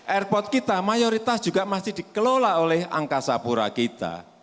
airport kita mayoritas juga masih dikelola oleh angkasa pura kita